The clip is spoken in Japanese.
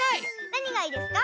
なにがいいですか？